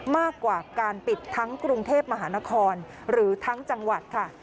มากกว่าการปิดทั้งกรุงเทพมหานครหรือทั้งจังหวัดค่ะ